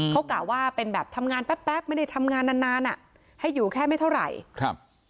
เขากล่าวว่าเป็นแบบทำงานแป๊บไม่ได้ทำงานนานให้อยู่แค่ไม่เท่าไหร่